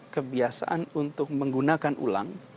kebiasaan untuk menggunakan ulang